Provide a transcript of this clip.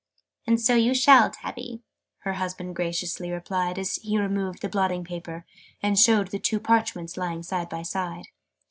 "And so you shall, Tabby!" her husband graciously replied, as he removed the blotting paper, and showed the two parchments lying side by side.